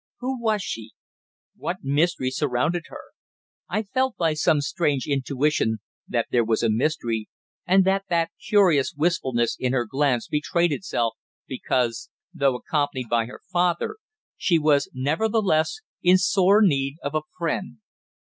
Who was she? What mystery surrounded her? I felt, by some strange intuition, that there was a mystery, and that that curious wistfulness in her glance betrayed itself because, though accompanied by her father, she was nevertheless in sore need of a friend.